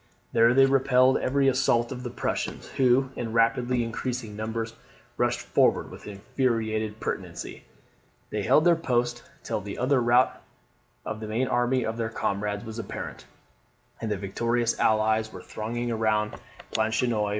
There they repelled every assault of the Prussians, who in rapidly increasing numbers rushed forward with infuriated pertinacity. They held their post till the utter rout of the main army of their comrades was apparent, and the victorious Allies were thronging around Planchenoit.